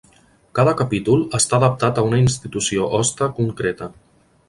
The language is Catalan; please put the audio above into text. Cada capítol està adaptat a una institució hoste concreta.